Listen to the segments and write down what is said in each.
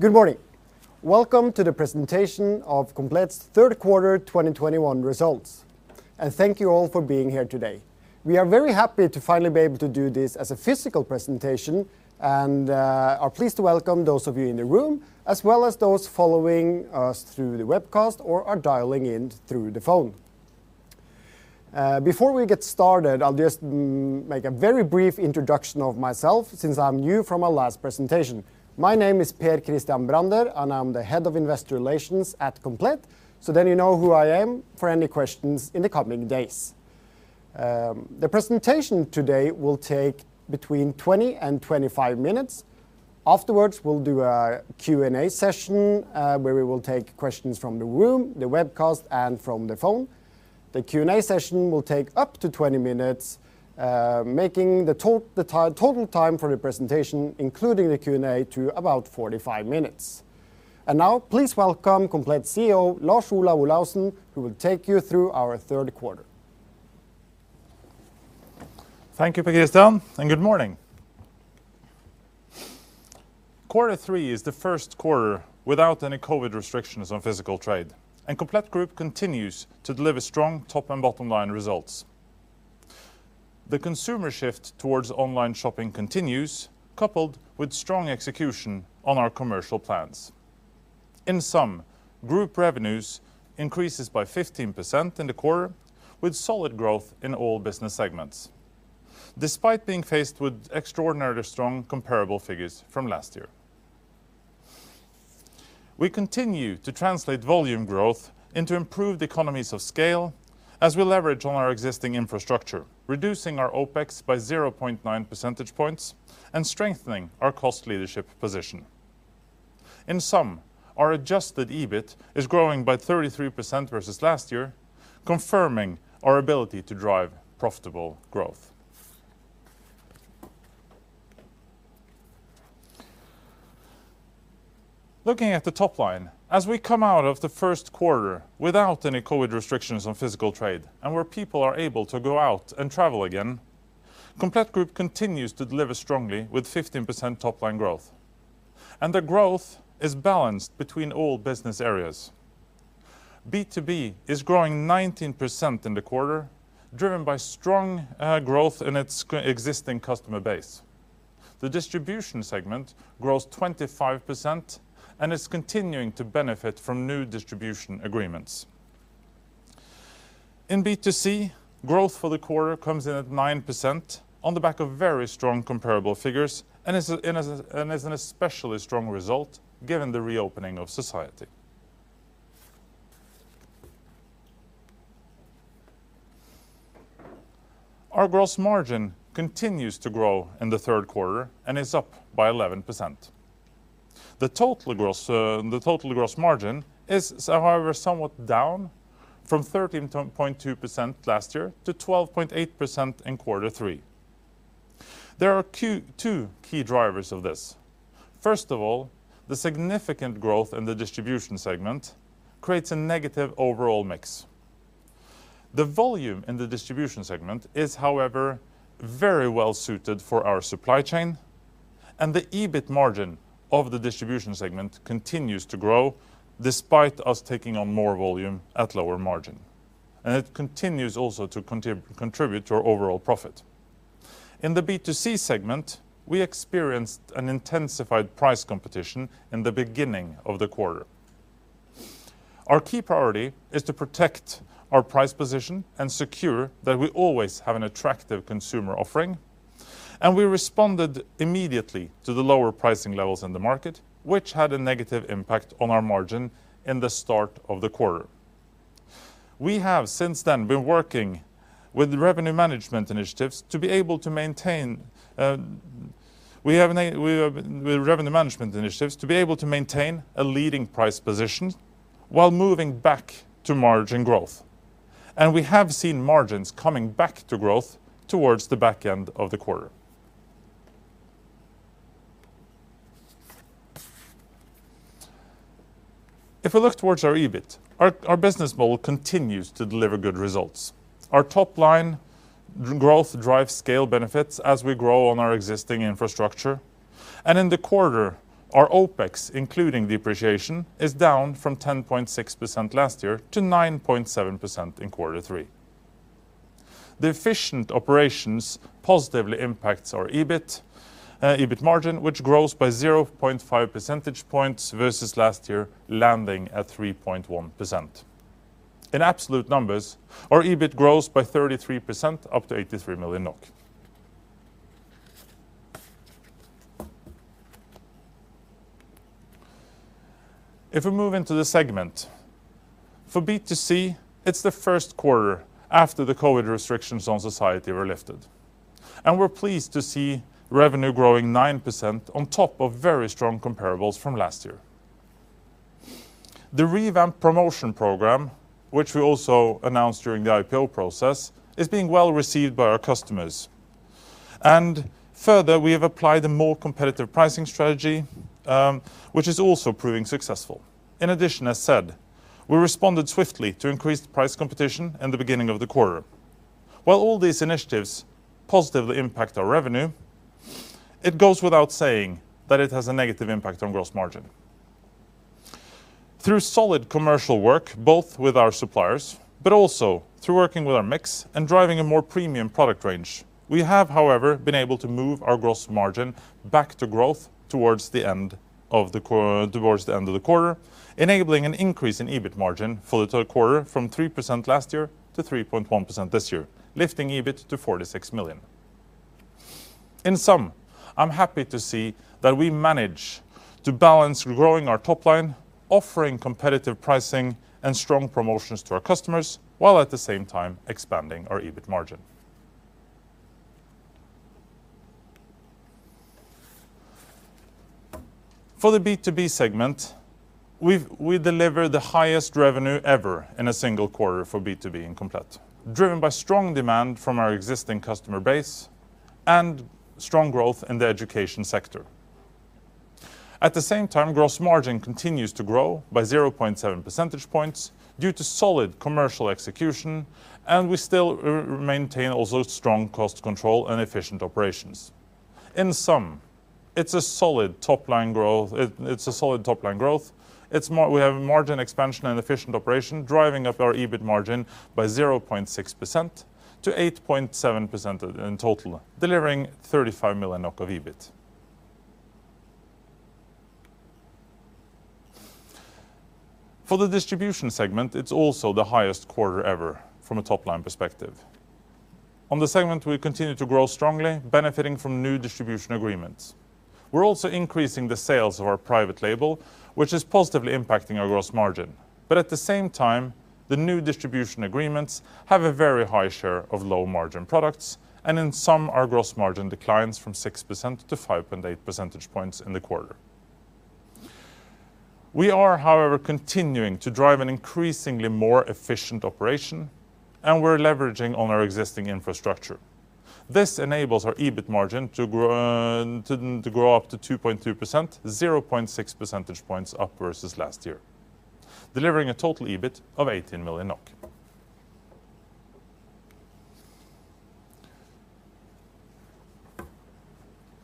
Good morning. Welcome to the presentation of Komplett's third quarter 2021 results, and thank you all for being here today. We are very happy to finally be able to do this as a physical presentation and are pleased to welcome those of you in the room as well as those following us through the webcast or are dialing in through the phone. Before we get started, I'll just make a very brief introduction of myself since I'm new since our last presentation. My name is Per Christian Brander, and I'm the Head of Investor Relations at Komplett, so then you know who I am for any questions in the coming days. The presentation today will take between 20 and 25 minutes. Afterwards, we'll do a Q&A session where we will take questions from the room, the webcast, and from the phone. The Q&A session will take up to 20 minutes, making the total time for the presentation, including the Q&A, to about 45 minutes. Now please welcome Komplett CEO Lars Olav Olaussen, who will take you through our third quarter. Thank you, Per Christian, and good morning. Quarter three is the first quarter without any COVID restrictions on physical trade, and Komplett Group continues to deliver strong top and bottom line results. The consumer shift towards online shopping continues, coupled with strong execution on our commercial plans. In sum, group revenues increase by 15% in the quarter, with solid growth in all business segments despite being faced with extraordinarily strong comparable figures from last year. We continue to translate volume growth into improved economies of scale as we leverage on our existing infrastructure, reducing our OpEx by 0.9 percentage points and strengthening our cost leadership position. In sum, our adjusted EBIT is growing by 33% versus last year, confirming our ability to drive profitable growth. Looking at the top line, as we come out of the first quarter without any COVID restrictions on physical trade and where people are able to go out and travel again, Komplett Group continues to deliver strongly with 15% top-line growth, and the growth is balanced between all business areas. B2B is growing 19% in the quarter, driven by strong growth in its existing customer base. The distribution segment grows 25% and is continuing to benefit from new distribution agreements. In B2C, growth for the quarter comes in at 9% on the back of very strong comparable figures and is an especially strong result given the reopening of society. Our gross margin continues to grow in the third quarter and is up by 11%. The total gross margin is, however, somewhat down from 13.2% last year to 12.8% in quarter three. There are two key drivers of this. First of all, the significant growth in the distribution segment creates a negative overall mix. The volume in the distribution segment is, however, very well suited for our supply chain, and the EBIT margin of the distribution segment continues to grow despite us taking on more volume at lower margin, and it continues also to contribute to our overall profit. In the B2C segment, we experienced an intensified price competition in the beginning of the quarter. Our key priority is to protect our price position and secure that we always have an attractive consumer offering, and we responded immediately to the lower pricing levels in the market, which had a negative impact on our margin in the start of the quarter. We have since then been working with revenue management initiatives to be able to maintain a leading price position while moving back to margin growth, and we have seen margins coming back to growth towards the back end of the quarter. If we look towards our EBIT, our business model continues to deliver good results. Our top line growth drives scale benefits as we grow on our existing infrastructure. In the quarter, our OpEx, including depreciation, is down from 10.6% last year to 9.7% in quarter three. The efficient operations positively impacts our EBIT margin, which grows by 0.5 percentage points versus last year, landing at 3.1%. In absolute numbers, our EBIT grows by 33%, up to 83 million NOK. If we move into the segment, for B2C, it's the first quarter after the COVID restrictions on society were lifted, and we're pleased to see revenue growing 9% on top of very strong comparables from last year. The revamped promotion program, which we also announced during the IPO process, is being well received by our customers. Further, we have applied a more competitive pricing strategy, which is also proving successful. In addition, as said, we responded swiftly to increased price competition in the beginning of the quarter. While all these initiatives positively impact our revenue, it goes without saying that it has a negative impact on gross margin. Through solid commercial work, both with our suppliers, but also through working with our mix and driving a more premium product range, we have, however, been able to move our gross margin back to growth towards the end of the quarter, enabling an increase in EBIT margin for the third quarter from 3% last year to 3.1% this year, lifting EBIT to 46 million. In sum, I'm happy to see that we managed to balance growing our top line, offering competitive pricing and strong promotions to our customers, while at the same time expanding our EBIT margin. For the B2B segment, we delivered the highest revenue ever in a single quarter for B2B in Komplett, driven by strong demand from our existing customer base and strong growth in the education sector. At the same time, gross margin continues to grow by 0.7 percentage points due to solid commercial execution, and we still maintain also strong cost control and efficient operations. In sum, it's a solid top line growth. We have a margin expansion and efficient operation driving up our EBIT margin by 0.6% to 8.7% in total, delivering 35 million NOK of EBIT. For the distribution segment, it's also the highest quarter ever from a top-line perspective. In the segment, we continue to grow strongly, benefiting from new distribution agreements. We're also increasing the sales of our private label, which is positively impacting our gross margin. At the same time, the new distribution agreements have a very high share of low-margin products, and in some, our gross margin declines from 6% to 5.8 percentage points in the quarter. We are, however, continuing to drive an increasingly more efficient operation, and we're leveraging on our existing infrastructure. This enables our EBIT margin to grow up to 2.2%, 0.6 percentage points up versus last year, delivering a total EBIT of 18 million NOK.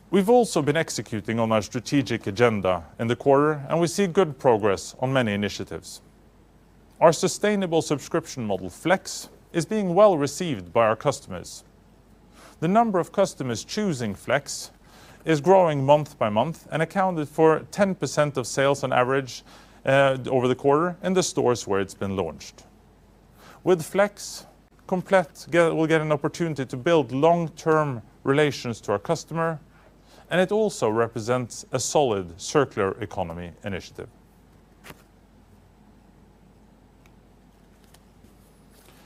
We've also been executing on our strategic agenda in the quarter, and we see good progress on many initiatives. Our sustainable subscription model, FLEX, is being well received by our customers. The number of customers choosing FLEX is growing month by month and accounted for 10% of sales on average over the quarter in the stores where it's been launched. With FLEX, Komplett will get an opportunity to build long-term relations to our customer, and it also represents a solid circular economy initiative.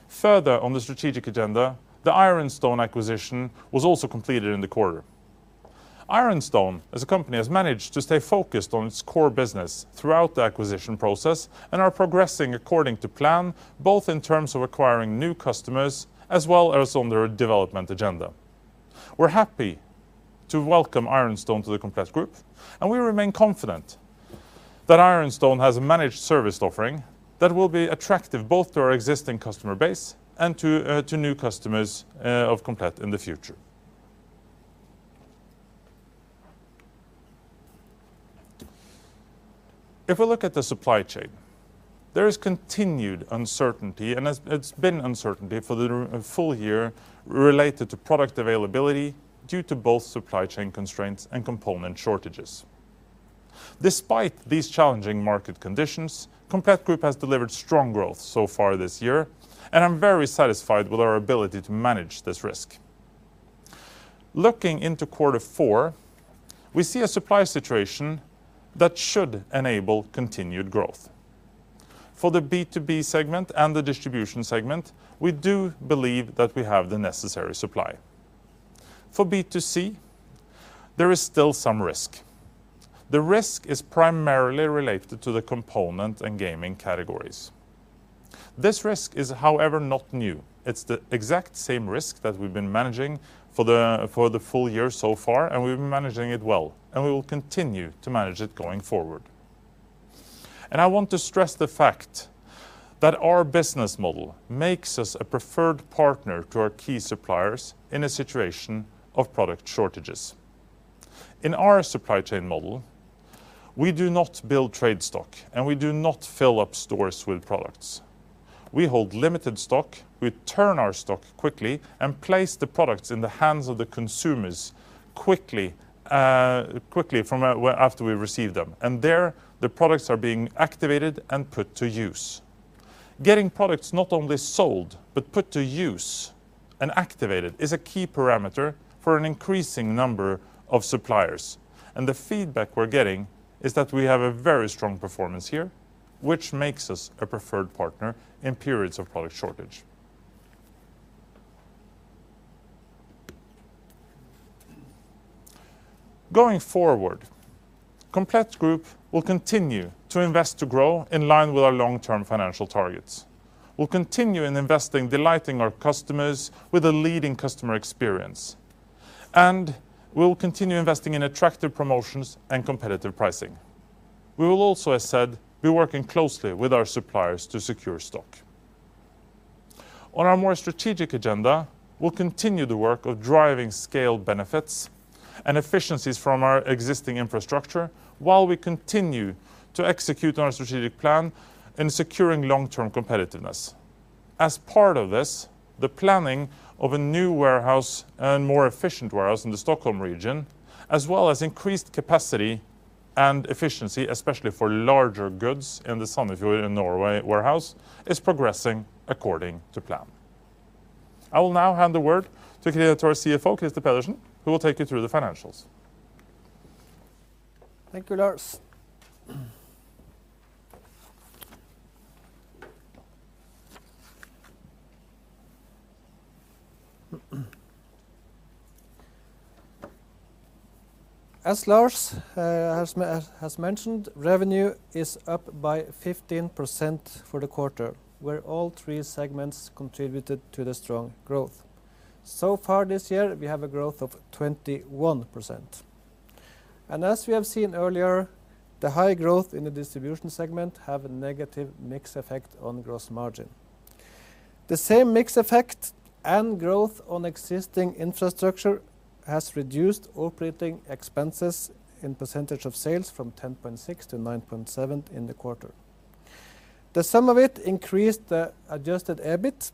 Further on the strategic agenda, the Ironstone acquisition was also completed in the quarter. Ironstone, as a company, has managed to stay focused on its core business throughout the acquisition process and are progressing according to plan, both in terms of acquiring new customers as well as on their development agenda. We're happy to welcome Ironstone to the Komplett Group, and we remain confident that Ironstone has a managed service offering that will be attractive both to our existing customer base and to new customers of Komplett in the future. If we look at the supply chain, there is continued uncertainty, and it's been uncertainty for the full year related to product availability due to both supply chain constraints and component shortages. Despite these challenging market conditions, Komplett Group has delivered strong growth so far this year, and I'm very satisfied with our ability to manage this risk. Looking into quarter four, we see a supply situation that should enable continued growth. For the B2B segment and the distribution segment, we do believe that we have the necessary supply. For B2C, there is still some risk. The risk is primarily related to the component and gaming categories. This risk is, however, not new. It's the exact same risk that we've been managing for the full year so far, and we've been managing it well, and we will continue to manage it going forward. I want to stress the fact that our business model makes us a preferred partner to our key suppliers in a situation of product shortages. In our supply chain model, we do not build trade stock, and we do not fill up stores with products. We hold limited stock, we turn our stock quickly, and place the products in the hands of the consumers quickly from after we receive them. There, the products are being activated and put to use. Getting products not only sold but put to use and activated is a key parameter for an increasing number of suppliers. The feedback we're getting is that we have a very strong performance here, which makes us a preferred partner in periods of product shortage. Going forward, Komplett Group will continue to invest to grow in line with our long-term financial targets. We'll continue investing, delighting our customers with a leading customer experience. We will continue investing in attractive promotions and competitive pricing. We will also, as said, be working closely with our suppliers to secure stock. On our more strategic agenda, we'll continue the work of driving scale benefits and efficiencies from our existing infrastructure while we continue to execute on our strategic plan in securing long-term competitiveness. As part of this, the planning of a new warehouse and more efficient warehouse in the Stockholm region, as well as increased capacity and efficiency, especially for larger goods in the Sandefjord in Norway warehouse, is progressing according to plan. I will now hand the word to our CFO, Krister Pedersen, who will take you through the financials. Thank you, Lars. As Lars has mentioned, revenue is up by 15% for the quarter, where all three segments contributed to the strong growth. So far this year, we have a growth of 21%. As we have seen earlier, the high growth in the distribution segment have a negative mix effect on gross margin. The same mix effect and growth on existing infrastructure has reduced operating expenses in percentage of sales from 10.6% to 9.7% in the quarter. The sum of it increased the adjusted EBIT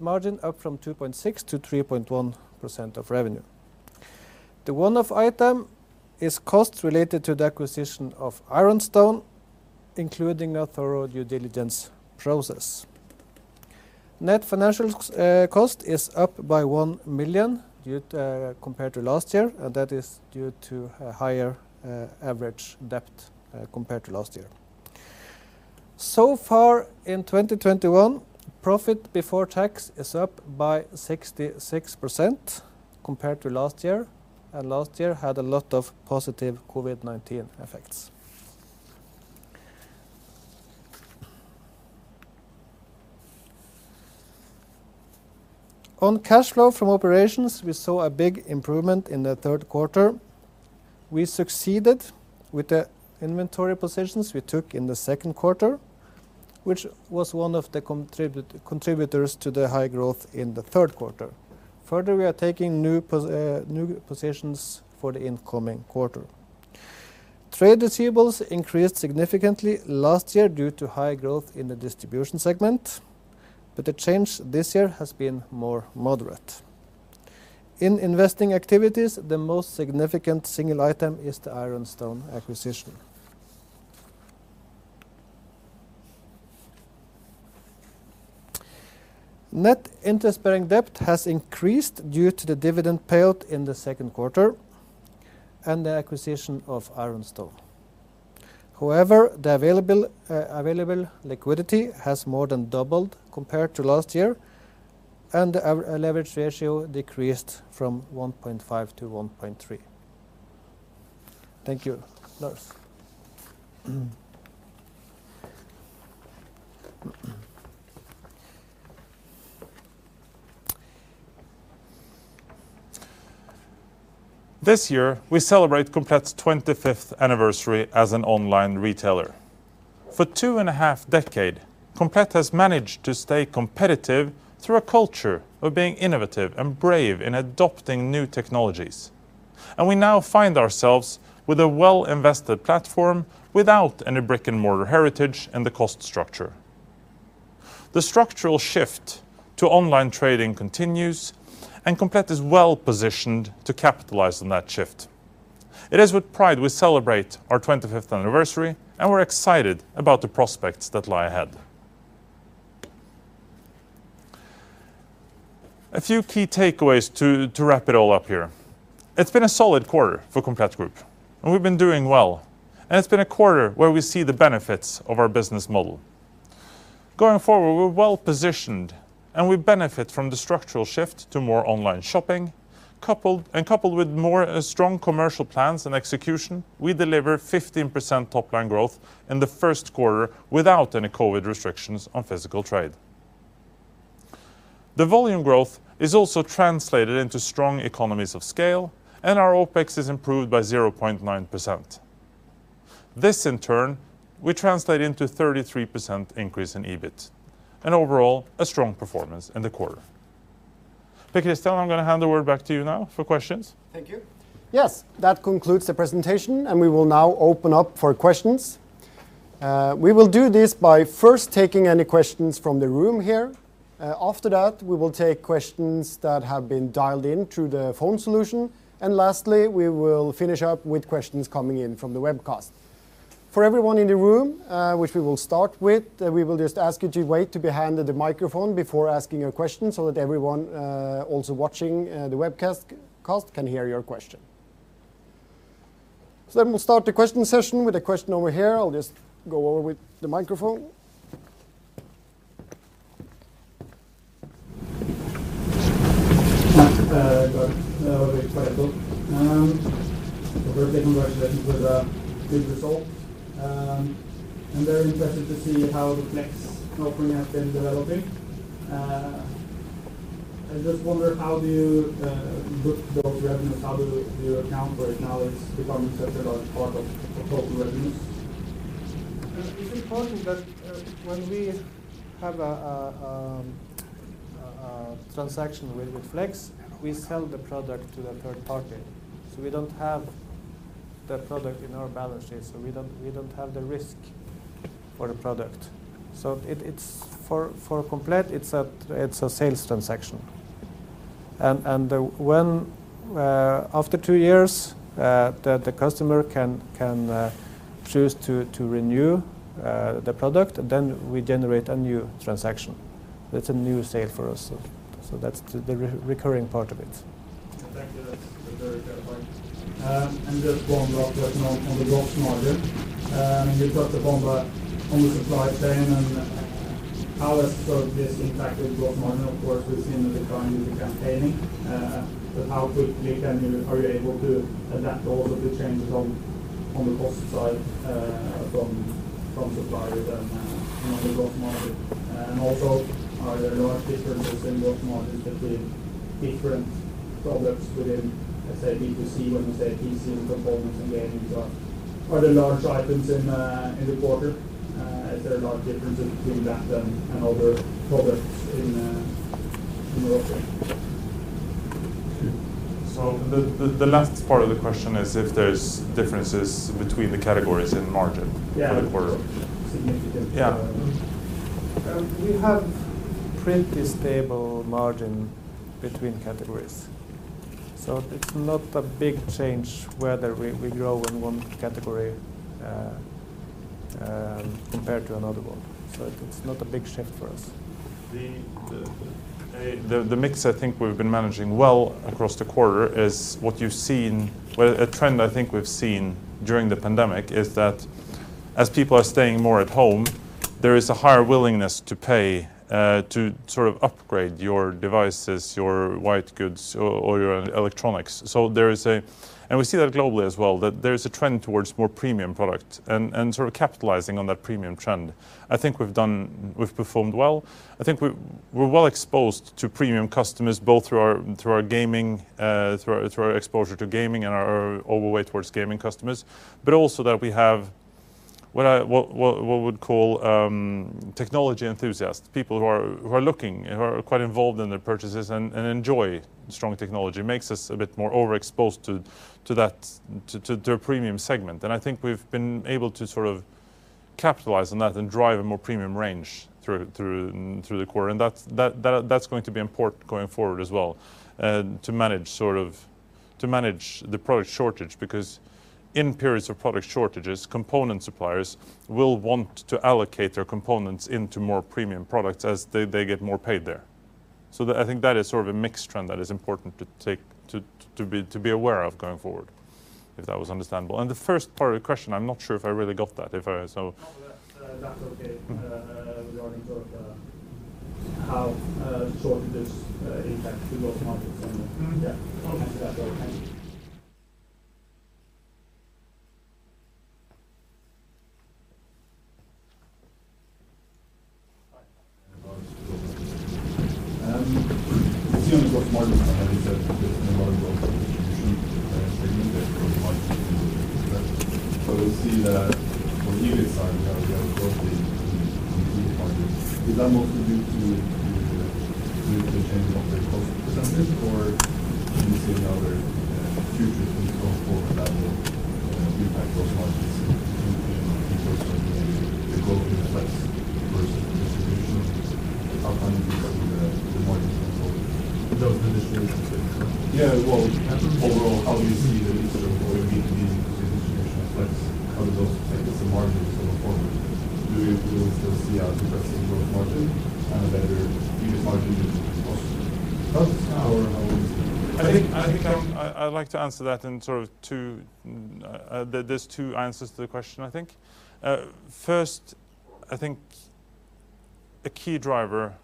margin up from 2.6%-3.1% of revenue. The one-off item is costs related to the acquisition of Ironstone, including a thorough due diligence process. Net financial expense is up by 1 million due to, compared to last year, and that is due to a higher average debt compared to last year. So far in 2021, profit before tax is up by 66% compared to last year, and last year had a lot of positive COVID-19 effects. On cash flow from operations, we saw a big improvement in the third quarter. We succeeded with the inventory positions we took in the second quarter, which was one of the contributors to the high growth in the third quarter. Further, we are taking new positions for the incoming quarter. Trade receivables increased significantly last year due to high growth in the distribution segment, but the change this year has been more moderate. In investing activities, the most significant single item is the Ironstone acquisition. Net interest-bearing debt has increased due to the dividend payout in the second quarter and the acquisition of Ironstone. However, the available liquidity has more than doubled compared to last year, and our leverage ratio decreased from 1.5 to 1.3. Thank you. Lars. This year, we celebrate Komplett's 25th anniversary as an online retailer. For two and a half decades, Komplett has managed to stay competitive through a culture of being innovative and brave in adopting new technologies, and we now find ourselves with a well-invested platform without any brick-and-mortar heritage in the cost structure. The structural shift to online trading continues, and Komplett is well-positioned to capitalize on that shift. It is with pride we celebrate our 25th anniversary, and we're excited about the prospects that lie ahead. A few key takeaways to wrap it all up here. It's been a solid quarter for Komplett Group, and we've been doing well, and it's been a quarter where we see the benefits of our business model. Going forward, we're well-positioned, and we benefit from the structural shift to more online shopping. Coupled. Coupled with more strong commercial plans and execution, we deliver 15% top-line growth in the first quarter without any COVID restrictions on physical trade. The volume growth is also translated into strong economies of scale, and our OpEx is improved by 0.9%. This, in turn, will translate into 33% increase in EBIT and overall a strong performance in the quarter. Christian, I'm gonna hand the word back to you now for questions. Thank you. Yes, that concludes the presentation, and we will now open up for questions. We will do this by first taking any questions from the room here. After that, we will take questions that have been dialed in through the phone solution and lastly, we will finish up with questions coming in from the webcast. For everyone in the room, which we will start with, we will just ask you to wait to be handed the microphone before asking your question so that everyone, also watching, the webcast can hear your question. We'll start the question session with a question over here. I'll just go over with the microphone. Good. Firstly, congratulations with the good result. I'm very interested to see how the FLEX offering has been developing. I just wonder how do you book those revenues? How do you account right now it's becoming such a large part of total revenues? It's important that when we have a transaction with FLEX, we sell the product to the third party. We don't have the product in our balance sheet, so we don't have the risk for the product. It's for Komplett, it's a sales transaction. When, after two years, the customer can choose to renew the product, then we generate a new transaction. That's a new sale for us. That's the recurring part of it. Thank you. That's very clarifying. Just one last question on the gross margin. You've got the boom on the supply chain. How has sort of this impacted gross margin? Of course, we've seen the decline in the campaigning. How quickly are you able to adapt all of the changes on the cost side from suppliers and on the gross margin? Also, are there large differences in gross margin between different products within, let's say, B2C versus PC and components and gaming? Are there large items in the quarter? Is there a large difference between that and other products in Europe? The last part of the question is if there's differences between the categories in margin. Yeah. In the quarter. Significant. Yeah. We have pretty stable margin between categories. It's not a big change whether we grow in one category, compared to another one. It's not a big shift for us. The mix I think we've been managing well across the quarter is what you've seen. Well, a trend I think we've seen during the pandemic is that as people are staying more at home, there is a higher willingness to pay to sort of upgrade your devices, your white goods or your electronics. There is a trend towards more premium product and sort of capitalizing on that premium trend. We see that globally as well, that there is a trend towards more premium product and sort of capitalizing on that premium trend. I think we've performed well. I think we're well exposed to premium customers, both through our gaming, through our exposure to gaming and our overweight towards gaming customers. Also that we have what we'd call technology enthusiasts, people who are looking, who are quite involved in their purchases and enjoy strong technology. Makes us a bit more overexposed to that, to a premium segment. I think we've been able to sort of capitalize on that and drive a more premium range through the quarter, and that's going to be important going forward as well to manage the product shortage. Because in periods of product shortages, component suppliers will want to allocate their components into more premium products as they get more paid there. I think that is sort of a mixed trend that is important to be aware of going forward, if that was understandable. The first part of the question, I'm not sure if I really got that. If I so. No, that's okay. Regarding sort of how shortages impact the growth margin and the. Mm-hmm. Yeah. Thanks for that though. Thank you. Hi. Seeing the growth margin and you said there's been a lot of growth in distribution and unit. We see that from unit side, we have growth in unit margin. Is that mostly due to the change of the cost percentage or can you see any other future things going forward that will impact those margins in resource or maybe the growth in FLEX versus distribution? How can you see that in the margin going forward? Those distributions that you said? Yeah. Well Okay. Overall, how do you see the mix of going B2B to distribution and FLEX? How does those affect the margin going forward? Do you still see a depressing growth margin and a better unit margin going forward? That's or how you see it. I'd like to answer that in sort of two. There's two answers to the question, I think. First, I think a key driver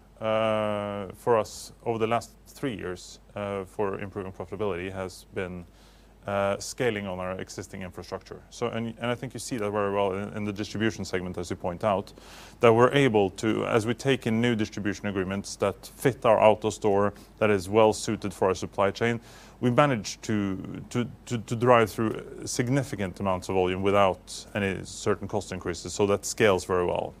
for us over the last three years for improving profitability has been scaling on our existing infrastructure. I think you see that very well in the distribution segment, as you point out. We're able to, as we take in new distribution agreements that fit our AutoStore, that is well suited for our supply chain, manage to drive through significant amounts of volume without any certain cost increases. That scales very well.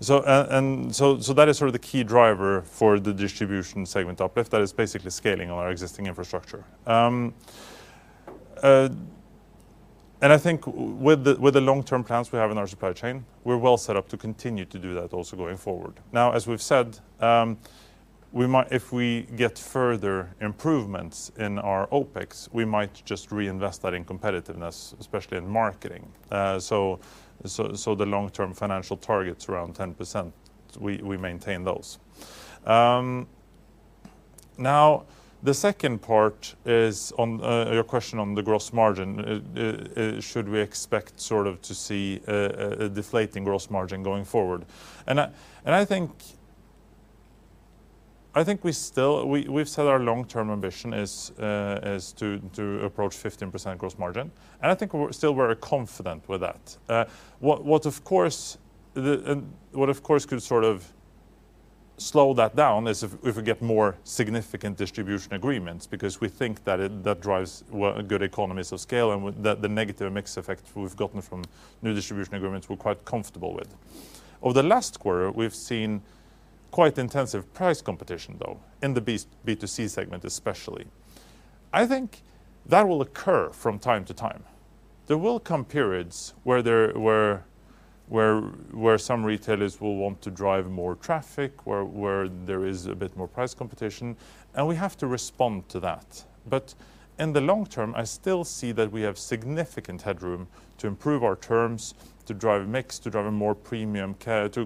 That is sort of the key driver for the distribution segment uplift. That is basically scaling on our existing infrastructure. I think with the long-term plans we have in our supply chain, we're well set up to continue to do that also going forward. Now, as we've said, if we get further improvements in our OpEx, we might just reinvest that in competitiveness, especially in marketing. The long-term financial targets around 10%, we maintain those. Now the second part is on your question on the gross margin. Should we expect sort of to see a deflating gross margin going forward? I think we still. We've said our long-term ambition is to approach 15% gross margin. I think we're still very confident with that. What of course could sort of slow that down is if we get more significant distribution agreements because we think that it that drives a good economies of scale and with the negative mix effect we've gotten from new distribution agreements we're quite comfortable with. Over the last quarter, we've seen quite intensive price competition though in the B2C segment especially. I think that will occur from time to time. There will come periods where some retailers will want to drive more traffic, where there is a bit more price competition, and we have to respond to that. In the long term, I still see that we have significant headroom to improve our terms, to drive mix, to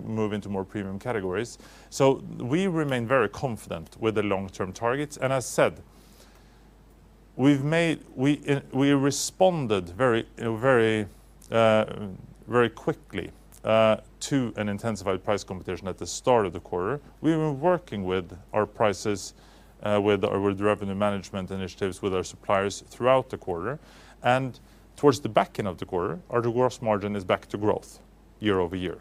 move into more premium categories. We remain very confident with the long-term targets. As said, we responded very quickly to an intensified price competition at the start of the quarter. We were working with our prices with revenue management initiatives with our suppliers throughout the quarter. Towards the back end of the quarter, our gross margin is back to growth year-over-year.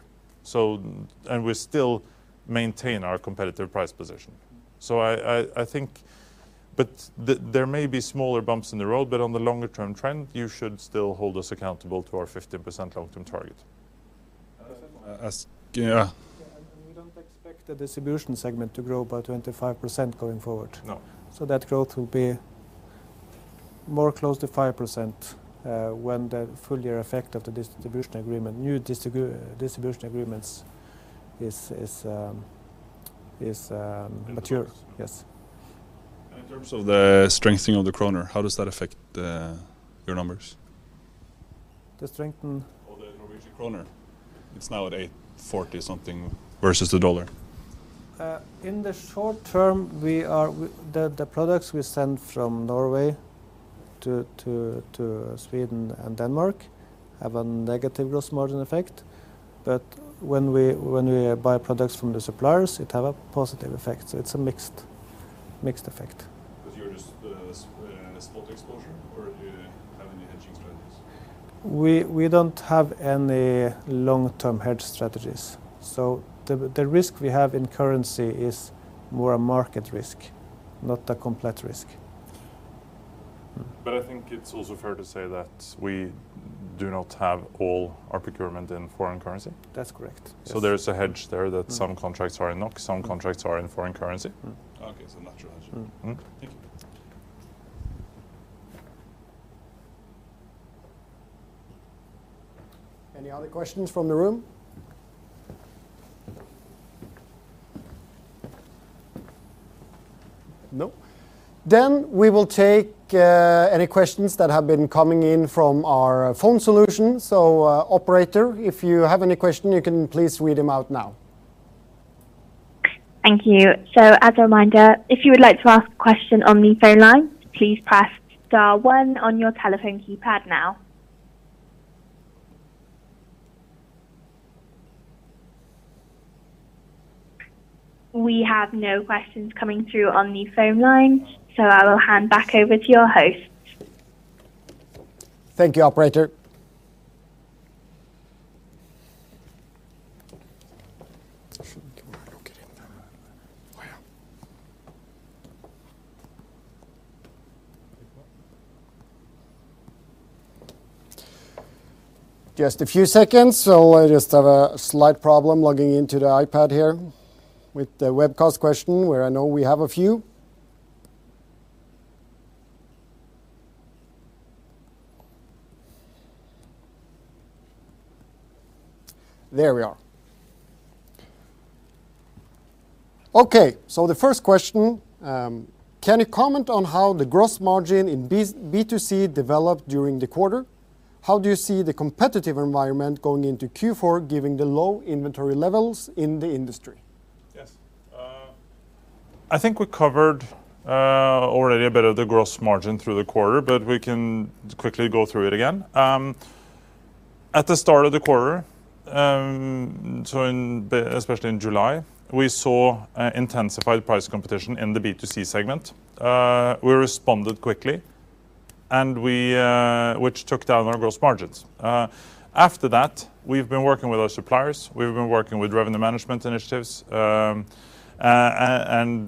We still maintain our competitive price position. I think there may be smaller bumps in the road, but on the longer-term trend, you should still hold us accountable to our 15% long-term target. Yeah. Yeah. Yeah. We don't expect the distribution segment to grow by 25% going forward. No. That growth will be more close to 5%, when the full year effect of the distribution agreement, new distribution agreements is mature. Agreed. Yes. In terms of the strengthening of the kroner, how does that affect your numbers? The strengthening? Of the Norwegian kroner. It's now at 8.40 something versus the dollar. In the short term, the products we send from Norway to Sweden and Denmark have a negative gross margin effect. When we buy products from the suppliers, it have a positive effect. It's a mixed effect. You're just a spot exposure or do you have any hedging strategies? We don't have any long-term hedge strategies. The risk we have in currency is more a market risk, not a credit risk. I think it's also fair to say that we do not have all our procurement in foreign currency. That's correct. Yes. There's a hedge there that some contracts are in NOK, some contracts are in foreign currency. Okay. Natural hedge. Mm-hmm. Thank you. Any other questions from the room? No? We will take any questions that have been coming in from our phone solution. Operator, if you have any question, you can please read them out now. Thank you. As a reminder, if you would like to ask a question on the phone line, please press star one on your telephone keypad now. We have no questions coming through on the phone line, so I will hand back over to your host. Thank you, operator. Just a few seconds. I just have a slight problem logging into the iPad here with the webcast question, where I know we have a few. There we are. Okay, the first question: Can you comment on how the gross margin in B2C developed during the quarter? How do you see the competitive environment going into Q4, given the low inventory levels in the industry? Yes. I think we covered already a bit of the gross margin through the quarter, but we can quickly go through it again. At the start of the quarter, especially in July, we saw intensified price competition in the B2C segment. We responded quickly, which took down our gross margins. After that, we've been working with our suppliers. We've been working with revenue management initiatives, and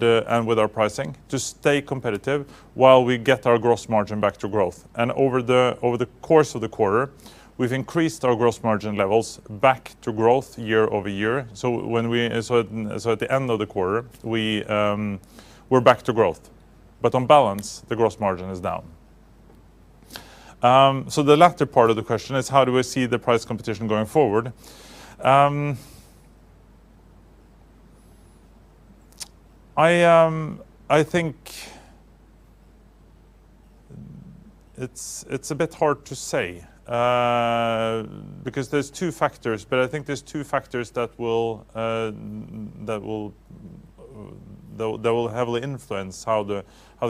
with our pricing to stay competitive while we get our gross margin back to growth. Over the course of the quarter, we've increased our gross margin levels back to growth year-over-year. At the end of the quarter, we're back to growth. On balance, the gross margin is down. The latter part of the question is how do we see the price competition going forward? I think it's a bit hard to say, because there's two factors. I think there's two factors that will heavily influence how the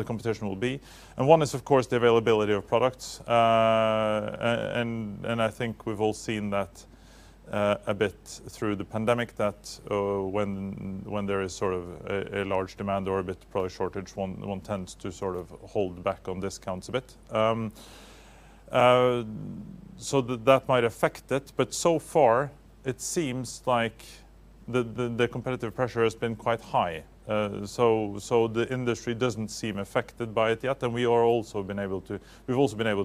competition will be. One is, of course, the availability of products. I think we've all seen that a bit through the pandemic, that when there is sort of a large demand or a bit of product shortage, one tends to sort of hold back on discounts a bit. That might affect it, but so far it seems like the competitive pressure has been quite high. The industry doesn't seem affected by it yet, and we've also been able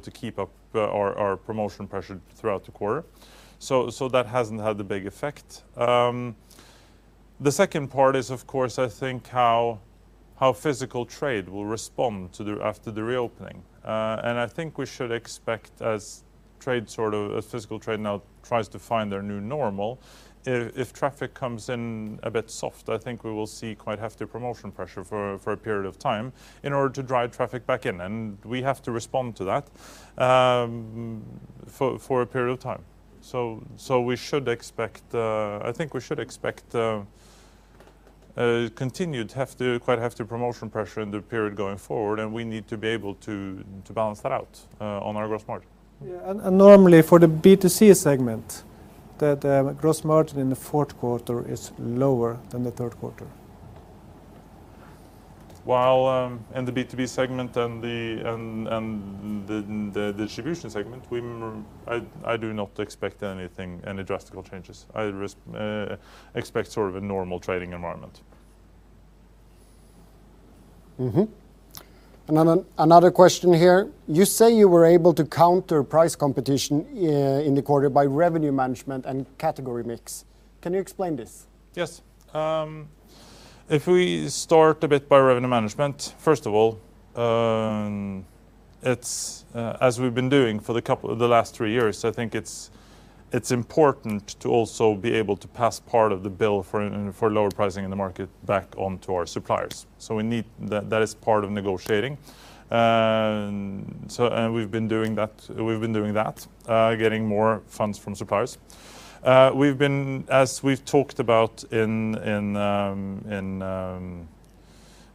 to keep up our promotion pressure throughout the quarter. That hasn't had a big effect. The second part is, of course, I think how physical trade will respond after the reopening. I think we should expect as physical trade now tries to find their new normal, if traffic comes in a bit soft, I think we will see quite hefty promotion pressure for a period of time in order to drive traffic back in. We have to respond to that for a period of time. We should expect a continued quite hefty promotion pressure in the period going forward, and we need to be able to balance that out on our gross margin. Yeah. Normally for the B2C segment, the gross margin in the fourth quarter is lower than the third quarter. While in the B2B segment and the distribution segment, I do not expect any drastic changes. I expect sort of a normal trading environment. Another question here. You say you were able to counter price competition in the quarter by revenue management and category mix. Can you explain this? Yes. If we start a bit by revenue management, first of all, it's as we've been doing for the last three years, I think it's important to also be able to pass part of the bill for lower pricing in the market back on to our suppliers. That is part of negotiating. We've been doing that, getting more funds from suppliers. We've been, as we've talked about in the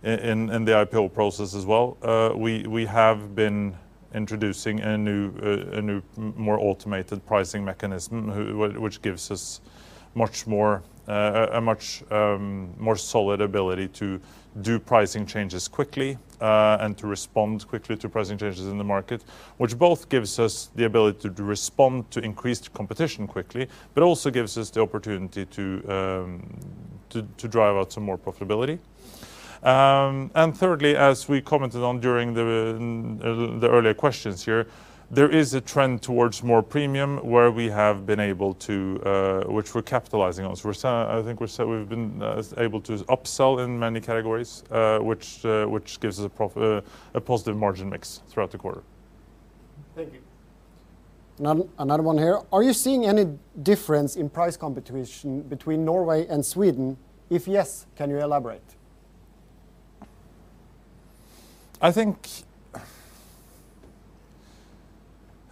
IPO process as well, we have been introducing a new more automated pricing mechanism which gives us much more, a much more solid ability to do pricing changes quickly, and to respond quickly to pricing changes in the market, which both gives us the ability to respond to increased competition quickly but also gives us the opportunity to drive out some more profitability. Thirdly, as we commented on during the earlier questions here, there is a trend towards more premium where we have been able to, which we're capitalizing on. We've been able to upsell in many categories, which gives us a positive margin mix throughout the quarter. Thank you. Another one here. Are you seeing any difference in price competition between Norway and Sweden? If yes, can you elaborate? I think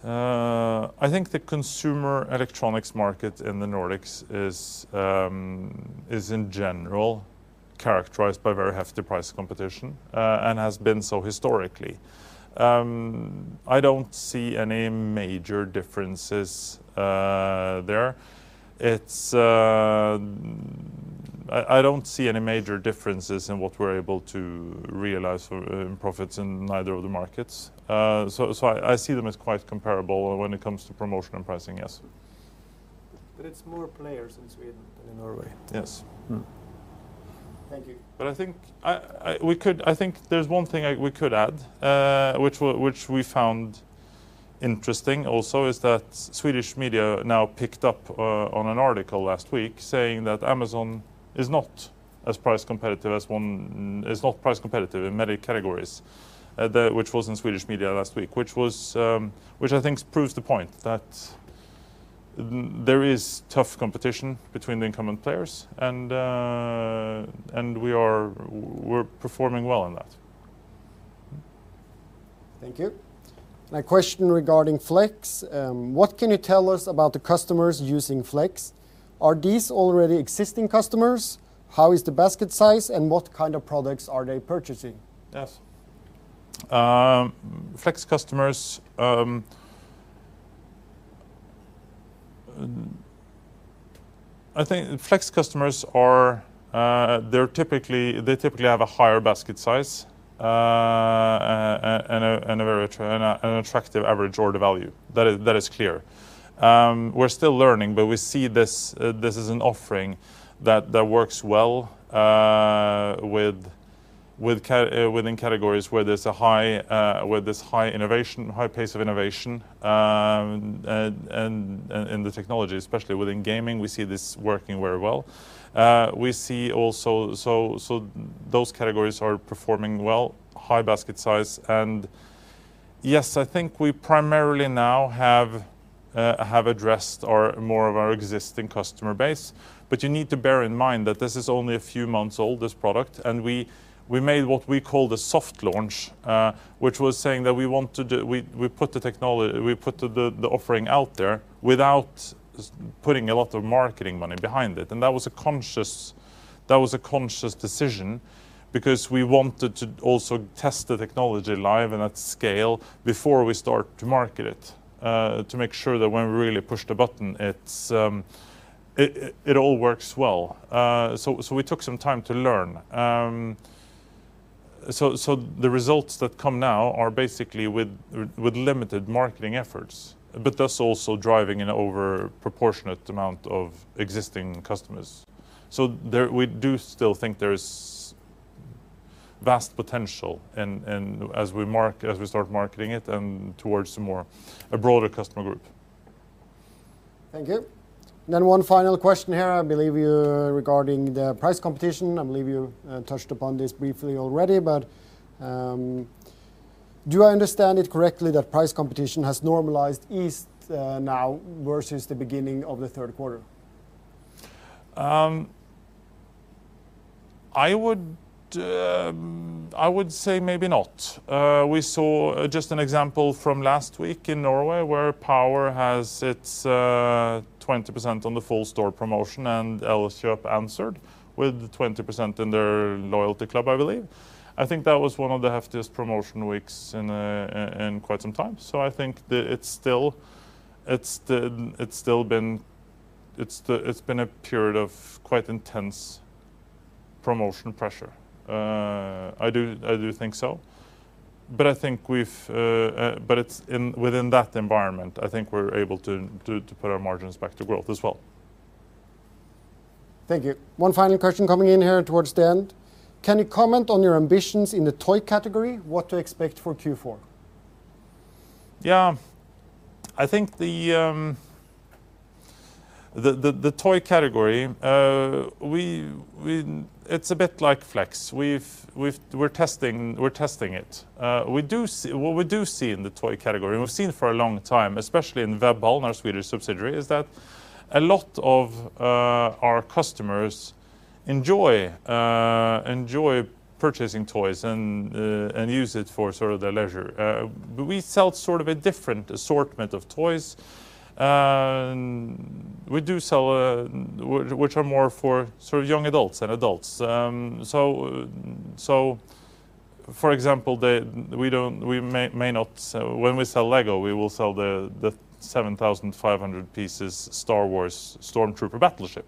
the consumer electronics market in the Nordics is in general characterized by very hefty price competition and has been so historically. I don't see any major differences there. I don't see any major differences in what we're able to realize for profits in neither of the markets. So I see them as quite comparable when it comes to promotion and pricing, yes. It's more players in Sweden than in Norway. Yes. Mm-hmm. Thank you. I think there's one thing we could add, which we found interesting also is that Swedish media now picked up on an article last week saying that Amazon is not price competitive in many categories, which was in Swedish media last week, which I think proves the point that there is tough competition between the incumbent players and we're performing well in that. Thank you. A question regarding FLEX. What can you tell us about the customers using FLEX? Are these already existing customers? How is the basket size, and what kind of products are they purchasing? Yes. FLEX customers, I think FLEX customers are typically, they typically have a higher basket size and attractive average order value. That is clear. We're still learning, but we see this is an offering that works well within categories where there's high innovation, high pace of innovation, in the technology. Especially within gaming, we see this working very well. We see also those categories are performing well, high basket size. Yes, I think we primarily now have addressed more of our existing customer base. You need to bear in mind that this is only a few months old, this product, and we made what we call the soft launch, which was we put the offering out there without putting a lot of marketing money behind it. That was a conscious decision because we wanted to also test the technology live and at scale before we start to market it, to make sure that when we really push the button, it all works well. We took some time to learn. The results that come now are basically with limited marketing efforts, but thus also driving an over proportionate amount of existing customers. We do still think there's vast potential and as we start marketing it and towards more a broader customer group. Thank you. One final question here, I believe you regarding the price competition. I believe you touched upon this briefly already, but do I understand it correctly that price competition has normalized at least now versus the beginning of the third quarter? I would say maybe not. We saw just an example from last week in Norway, where Power has its 20% on the full store promotion, and Elkjøp has answered with 20% in their loyalty club, I believe. I think that was one of the heftiest promotion weeks in quite some time. I think that it's still been a period of quite intense promotion pressure. I do think so, but I think it's within that environment, I think we're able to put our margins back to growth as well. Thank you. One final question coming in here towards the end. Can you comment on your ambitions in the toy category? What to expect for Q4? Yeah. I think the toy category, it's a bit like FLEX. We're testing it. What we do see in the toy category, and we've seen for a long time, especially in Webhallen, our Swedish subsidiary, is that a lot of our customers enjoy purchasing toys and use it for sort of their leisure. We sell sort of a different assortment of toys, and we do sell which are more for sort of young adults and adults. For example, when we sell Lego, we will sell the 7,500 pieces Star Wars Stormtrooper Battleship.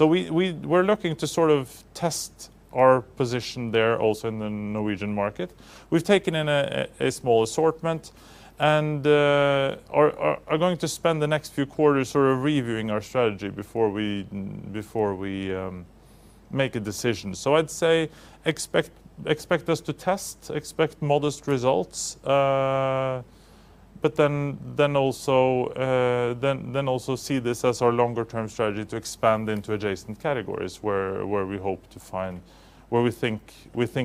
We're looking to sort of test our position there also in the Norwegian market. We've taken in a small assortment and are going to spend the next few quarters sort of reviewing our strategy before we make a decision. I'd say expect us to test modest results, but then also see this as our longer-term strategy to expand into adjacent categories where we think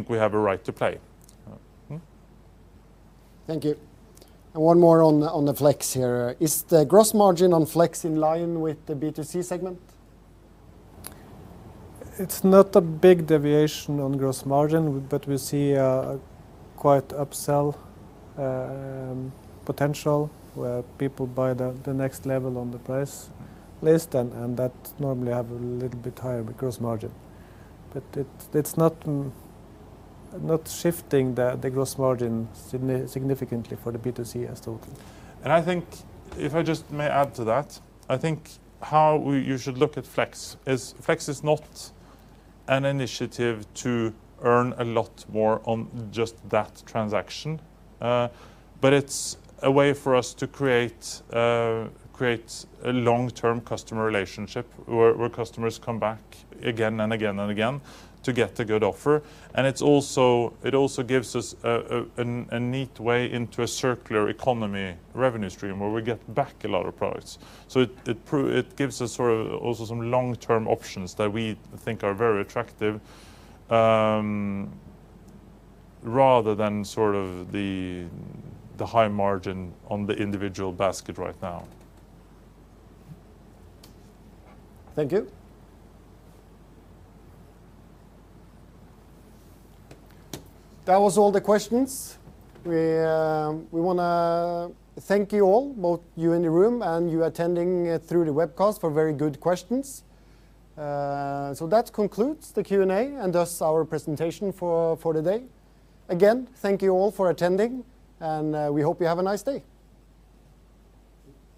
we have a right to play. Thank you. One more on the FLEX here. Is the gross margin on FLEX in line with the B2C segment? It's not a big deviation on gross margin, but we see quite upsell potential where people buy the next level on the price list and that normally have a little bit higher gross margin. But it's not shifting the gross margin significantly for the B2C as total. I think if I just may add to that, I think you should look at FLEX is FLEX is not an initiative to earn a lot more on just that transaction, but it's a way for us to create a long-term customer relationship where customers come back again and again and again to get a good offer. It also gives us a neat way into a circular economy revenue stream where we get back a lot of products. It gives us sort of also some long-term options that we think are very attractive, rather than sort of the high margin on the individual basket right now. Thank you. That was all the questions. We wanna thank you all, both you in the room and you attending through the webcast for very good questions. So that concludes the Q&A and thus our presentation for today. Again, thank you all for attending, and we hope you have a nice day.